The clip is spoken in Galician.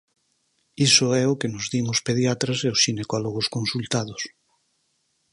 Iso é o que nos din os pediatras e os xinecólogos consultados.